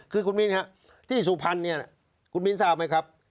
คือคุณมินครับที่สุพรรณเนี่ยคุณมิ้นทราบไหมครับ